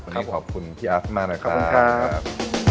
วันนี้ขอบคุณพี่อัสมากนะครับขอบคุณครับ